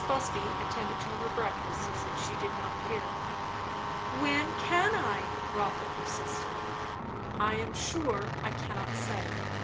Busby attended to her breakfast as if she did not hear. "When can I?" Rotha persisted. "I am sure, I cannot say. Mr.